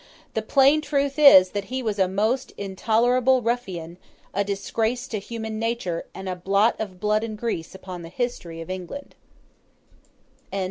The plain truth is, that he was a most intolerable ruffian, a disgrace to human nature, and a blot of blood and grease upon the History of England.